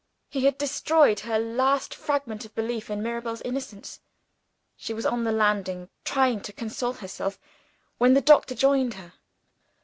He had destroyed her last fragment of belief in Mirabel's innocence. She was on the landing trying to console herself, when the doctor joined her.